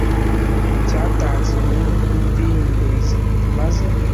cyatanze inyungu y'ubwihindurize Tumaze